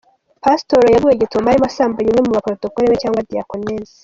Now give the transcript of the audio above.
Pasitoro yaguwe gitumo arimo asambanya umwe muba Protocole be cyangwa Diyakonese.